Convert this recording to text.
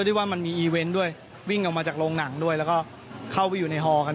ด้วยก็วิ่งออกมาจากโรงหนังด้วยแล้วก็เข้าไปอยู่ในหน้าทางหัวกัน